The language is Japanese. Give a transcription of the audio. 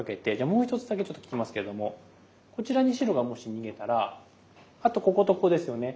もう一つだけちょっと聞きますけどもこちらに白がもし逃げたらあとこことここですよね。